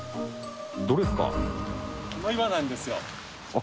どれですか？